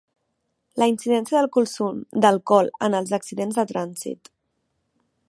La incidència del consum d'alcohol en els accidents de trànsit.